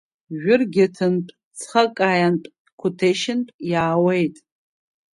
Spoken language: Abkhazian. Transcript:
Жәыргьыҭынтә, Цхакаиантә, Қәҭешьынтә иаауеит.